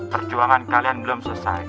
perjuangan kalian belum selesai